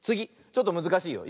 ちょっとむずかしいよ。